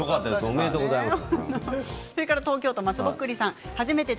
おめでとうございます。